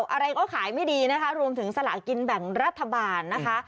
อะไรก็ขายไม่ดีนะคะรวมถึงสละกินแบ่งรัฐบาลนะคะ